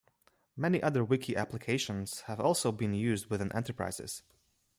Many other wiki applications have also been used within enterprises.